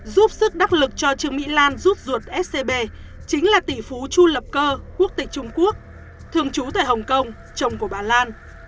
giúp sức đắc lực cho trương mỹ lan rút ruột scb chính là tỷ phú chu lập cơ quốc tịch trung quốc thường trú tại hồng kông chồng của bà lan